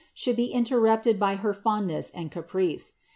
should be interrupted b} her fondness and caprice.